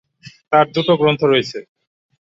তার দু'টো গ্রন্থ রয়েছে।